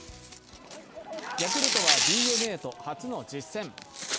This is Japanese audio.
ヤクルトはＤｅＮＡと初の実戦。